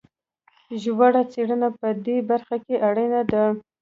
ژوره څېړنه په دې برخه کې اړینه ده.